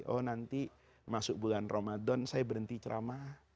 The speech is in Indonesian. oh nanti masuk bulan ramadan saya berhenti ceramah